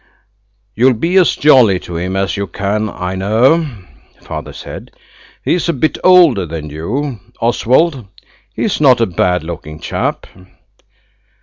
"You'll be as jolly to him as you can, I know," Father said; "he's a bit older than you, Oswald. He's not a bad looking chap."